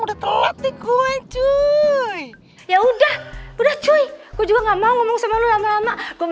udah telat dikulit cuy ya udah udah cuy gue juga nggak mau ngomong sama lu lama lama gue